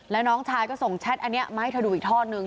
แล้วน้องชายก็ส่งแชทอันนี้มาให้เธอดูอีกทอดนึง